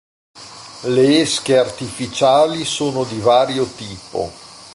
Le esche artificiali sono di vario tipo.